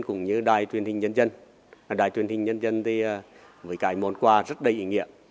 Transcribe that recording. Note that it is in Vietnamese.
cũng như đài truyền hình nhân dân đài truyền hình nhân dân thì với cái món quà rất đầy ý nghĩa